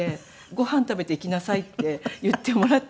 「ご飯食べていきなさい」って言ってもらったり。